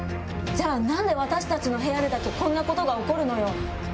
じゃあ何で私たちの部屋でだけこんなことが起こるのよ！